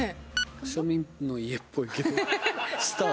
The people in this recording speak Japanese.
庶民の家っぽいけどスター。